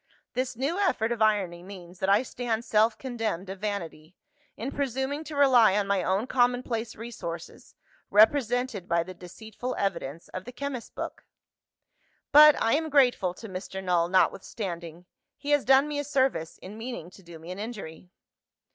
This new effort of irony means that I stand self condemned of vanity, in presuming to rely on my own commonplace resources represented by the deceitful evidence of the chemist's book! "But I am grateful to Mr. Null, notwithstanding: he has done me a service, in meaning to do me an injury.